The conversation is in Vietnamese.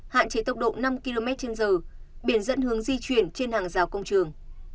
hạn chế tốc độ năm kmh biển dẫn hướng di chuyển trên hàng rào công trường